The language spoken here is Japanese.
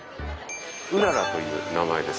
うららという名前です。